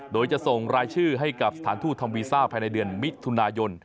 โดยจะส่งรายชื่อให้กับสถานทูตทำวีซ่าภายในเดือนมิถุนายน